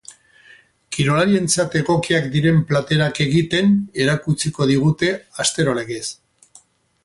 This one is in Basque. Kirolarientzat egokiak diren platerak egiten erakutsiko digute, astero legez.